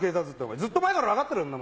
ずっと前から分かってるよ。